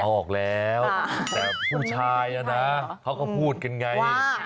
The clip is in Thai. เอาออกแล้วแต่ผู้ชายนะเขาก็พูดกันไง